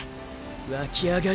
湧き上がる